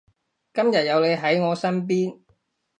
今日有你喺我身邊